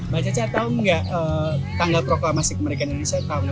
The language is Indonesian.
baca catau gak tanggal proklamasi kemerdekaan indonesia tanggal berapa